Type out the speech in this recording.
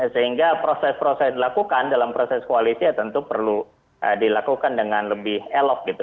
sehingga proses proses dilakukan dalam proses koalisi ya tentu perlu dilakukan dengan lebih elok gitu